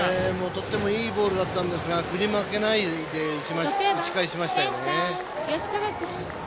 とってもいいボールだったんですが振り負けないで打ち返しましたね。